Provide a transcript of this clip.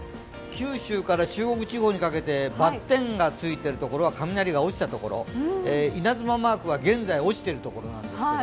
九州から中国地方にかけてバッテンがついてるのは雷が落ちた所、稲妻マークは現在落ちている所です。